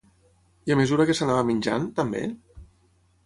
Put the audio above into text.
I a mesura que s'anava menjant, també?